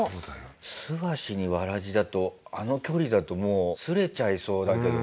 素足に草鞋だとあの距離だともう擦れちゃいそうだけどね。